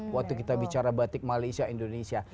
waktu kita bicara batik malaysia indonesia